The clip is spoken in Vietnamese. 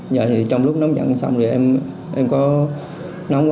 giờ thì trong lúc nóng giận xong